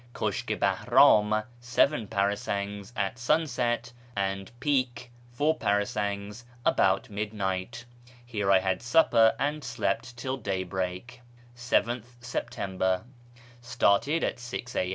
; Kushk i Bahram (seven parasangs) at sunset ; and Pik (four parasangs) about midnight. Here I had supper and slept till daybreak. ^tJi September. — Started at 6 a.